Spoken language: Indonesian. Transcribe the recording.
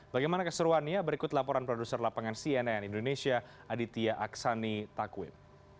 bagaimana keseruannya berikut laporan produser lapangan cnn indonesia aditya aksani takwim